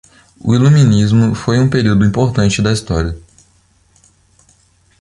O iluminismo foi um período importante da história